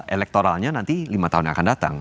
elektoralnya nanti lima tahun yang akan datang